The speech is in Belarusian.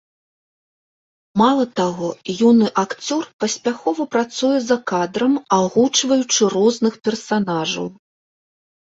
Мала таго, юны акцёр паспяхова працуе за кадрам, агучваючы розных персанажаў.